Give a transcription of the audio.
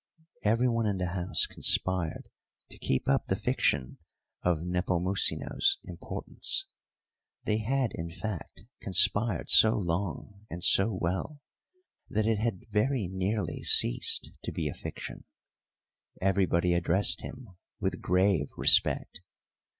Everyone in the house conspired to keep up the fiction of Nepomucino's importance; they had, in fact, conspired so long and so well, that it had very nearly ceased to be a fiction. Everybody addressed him with grave respect.